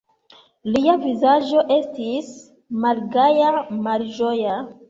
Lia vizaĝo estis malgaja, malĝoja.